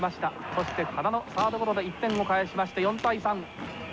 そして羽田のサードゴロで１点を返しまして４対３。